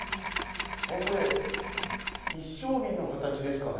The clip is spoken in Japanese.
これ一升瓶の形ですかね。